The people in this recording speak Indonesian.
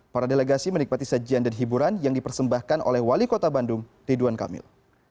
para delegasi menikmati sajian dan hiburan yang dipersembahkan oleh wali kota bandung ridwan kamil